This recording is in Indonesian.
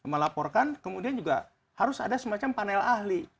melaporkan kemudian juga harus ada semacam panel ahli